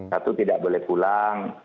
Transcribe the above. satu tidak boleh pulang